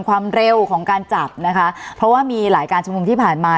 ความเร็วของการจับนะคะเพราะว่ามีหลายการชุมนุมที่ผ่านมา